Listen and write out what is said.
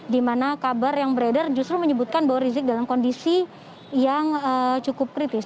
di mana kabar yang beredar justru menyebutkan bahwa rizik dalam kondisi yang cukup kritis